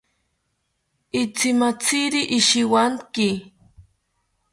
Itzimatziri ishiwanki